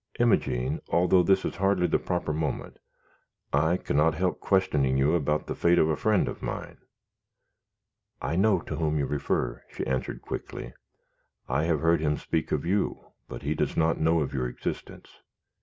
"Imogene, although this is hardly the proper moment, I cannot help questioning you about the fate of a friend of mine." "I know to whom you refer," she answered, quickly. "I have heard him speak of you, but he does not know of your existence.